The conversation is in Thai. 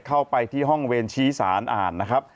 เข้าไปที่ห้องเวรชี้สารอ่านนะครับ